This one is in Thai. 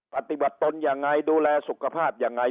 ปฏิบัติตนอย่างไรดูแลสุขภาพอย่างไร